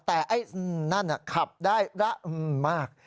แต่ไอ้นั่นขับได้ระมาก